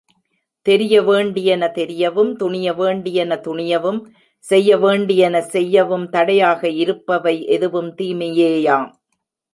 தெரியவேண்டியன தெரியவும், துணிய வேண்டியன துணியவும் செய்ய வேண்டியன செய்யவும் தடையாக இருப்பவை எதுவும் தீமையேயாம்.